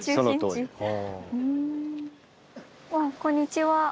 わあこんにちは。